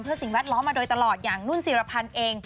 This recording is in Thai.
เพื่อสิ่งแวดล้อมมาโดยตลอดอย่างนุ่นศิรพันธ์เอง